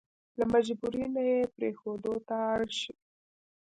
له مجبوري نه يې پرېښودو ته اړ شي.